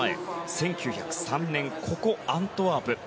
１９０３年、ここアントワープ。